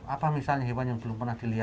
apa misalnya hewan yang belum pernah dilihat